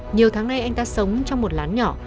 nhiều tháng nay anh ta sống trong một lán nhỏ